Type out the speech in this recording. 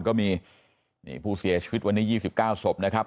ก็มีผู้เสียชีวิตวันนี้๒๙ศพนะครับ